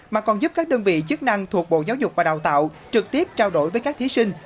mà còn giúp các đơn vị chức năng thuộc bộ giáo dục và đào tạo trực tiếp trao đổi với các thí sinh